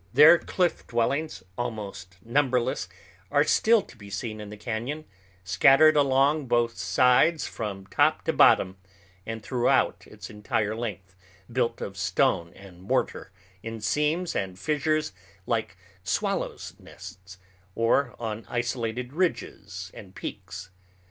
Their cliff dwellings, almost numberless, are still to be seen in the cañon, scattered along both sides from top to bottom and throughout its entire length, built of stone and mortar in seams and fissures like swallows' nests, or on isolated ridges and peaks.